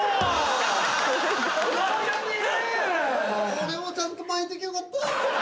俺もちゃんと巻いときゃよかった。